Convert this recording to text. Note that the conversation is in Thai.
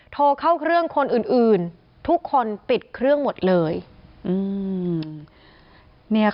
โทรเข้าเครื่องคนอื่นอื่นทุกคนปิดเครื่องหมดเลยอืม